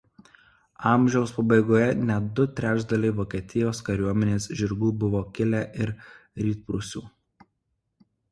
Amžiaus pabaigoje net du trečdaliai Vokietijos kariuomenės žirgų buvo kilę ir Rytprūsių.